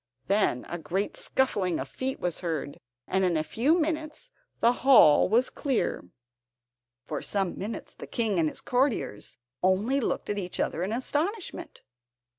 Then a great scuffling of feet was heard, and in a few minutes the hall was clear. For some minutes the King and his courtiers only looked at each other in astonishment.